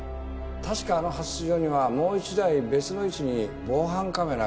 確かあの派出所にはもう１台別の位置に防犯カメラがあったな。